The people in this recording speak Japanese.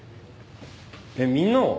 えっみんなは？